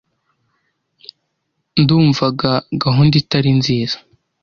Ndumvaga gahunda itari nziza.